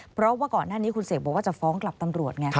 เพราะว่าก่อนหน้านี้คุณเสกบอกว่าจะฟ้องกลับตำรวจไง